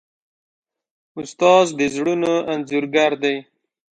استاد د زړونو انځورګر دی.